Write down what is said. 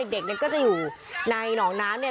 เด็กเนี่ยก็จะอยู่ในหนองน้ำเนี่ย